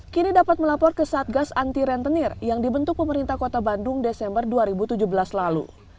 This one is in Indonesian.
kini dapat melapor ke satgas anti rentenir yang dibentuk pemerintah kota bandung desember dua ribu tujuh belas lalu